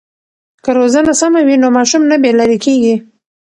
که روزنه سمه وي نو ماشوم نه بې لارې کېږي.